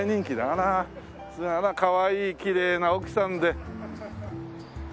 あらかわいいきれいな奥さんで。